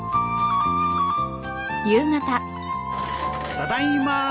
ただいま。